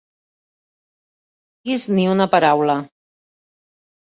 No diguis ni una paraula.